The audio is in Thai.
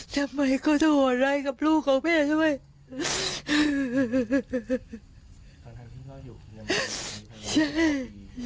ทำไมก็โทรรายกับลูกของแม่ใช่ไหม